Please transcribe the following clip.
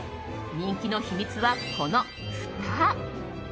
人気の秘密は、このふた。